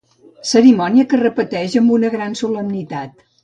Cerimònia que es repeteix amb una gran solemnitat.